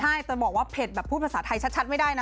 ใช่แต่บอกว่าเผ็ดแบบพูดภาษาไทยชัดไม่ได้นะ